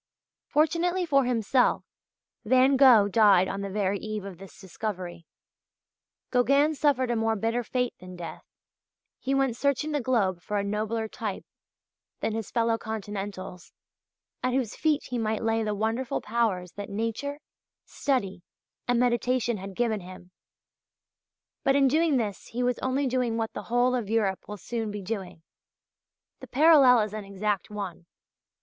Fortunately for himself Van Gogh died on the very eve of this discovery. Gauguin suffered a more bitter fate than death; he went searching the globe for a nobler type than his fellow continentals, at whose feet he might lay the wonderful powers that nature, study, and meditation had given him. But in doing this he was only doing what the whole of Europe will soon be doing. The parallel is an exact one.